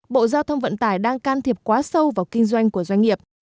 bộ giao thông vận tải đang can thiệp quá sâu vào kinh doanh của doanh nghiệp